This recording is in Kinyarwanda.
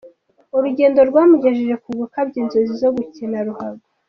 Urugendo rwamugejeje ku gukabya inzozi zo gukina ruhago.